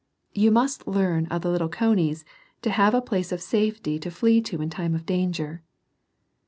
You must learn of the little conies to have a place of safety to flee to in time of danger.